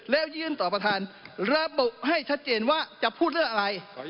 แล้วยื่นต่อประธานระบุให้ชัดเจนว่าจะพูดเรื่องอะไร